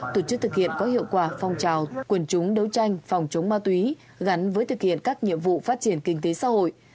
tổ chức thực hiện có hiệu quả phong trào quần chúng đấu tranh phòng chống ma túy gắn với thực hiện các nhiệm vụ phát triển kinh tế xã hội